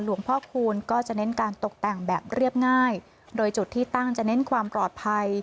พ่อคูณก็จะเน้นการตกแต่งแบบเรียบง่ายโดยจุดที่ตั้งจะเน้นความปลอดภัย